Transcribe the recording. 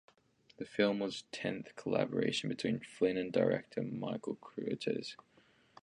The film was the tenth collaboration between Flynn and director Michael Curtiz.